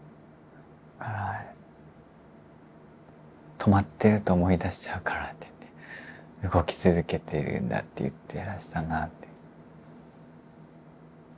止まってると思い出しちゃうからって言って動き続けてるんだって言ってらしたなって。